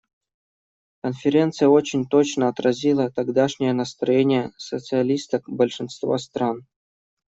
Конференция очень точно отразила тогдашнее настроение социалисток большинства стран.